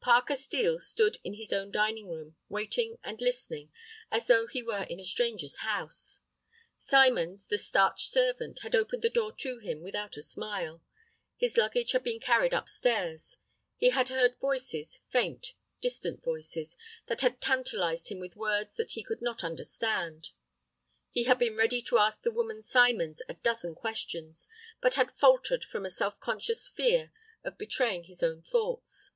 Parker Steel stood in his own dining room, waiting and listening, as though he were in a stranger's house. Symons, the starched servant, had opened the door to him without a smile; his luggage had been carried up stairs. He had heard voices, faint, distant voices, that had tantalized him with words that he could not understand. He had been ready to ask the woman Symons a dozen questions, but had faltered from a self conscious fear of betraying his own thoughts.